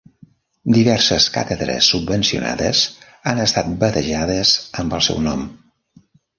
Diverses càtedres subvencionades han estat batejades amb el seu nom.